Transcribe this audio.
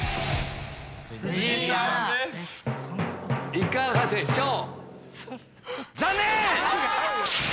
いかがでしょう？